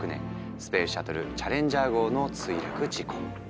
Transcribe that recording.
スペースシャトルチャレンジャー号の墜落事故。